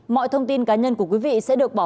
mọi thông tin cá nhân của quý vị sẽ được bảo mật